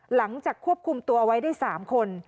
หลังจากควบคุมตัวเอาไว้ได้๓คน